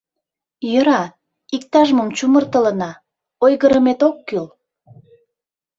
Йӧра, иктаж-мом чумыртылына, ойгырымет ок кӱл.